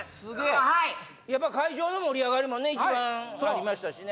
はいやっぱ会場の盛り上がりもね一番ありましたしね